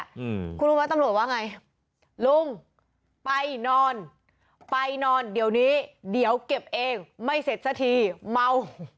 อืมคุณรู้ไหมตำรวจว่าไงลุงไปนอนไปนอนเดี๋ยวนี้เดี๋ยวเก็บเองไม่เสร็จสักทีเมา